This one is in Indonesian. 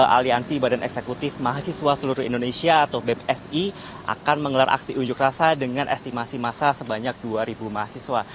aliansi badan eksekutif mahasiswa seluruh indonesia atau bpsi akan mengelar aksi unjuk rasa dengan estimasi masa sebanyak dua mahasiswa